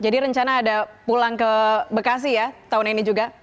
jadi rencana ada pulang ke bekasi ya tahun ini juga